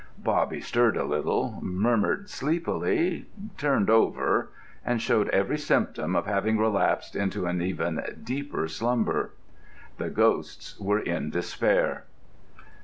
Bobby stirred a little, murmured sleepily, turned over, and showed every symptom of having relapsed into even deeper slumber. The ghosts were in despair.